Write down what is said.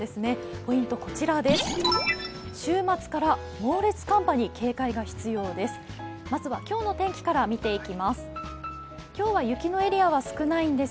ポイントは週末から猛烈寒波に警戒が必要です。